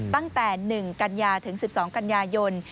ตั้งแต่๑กันยาถึง๑๒กันยายน